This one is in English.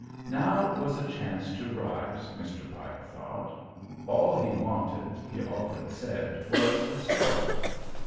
Now was a chance to rise, Mr. Pike thought. All he wanted, he had often said, was a start.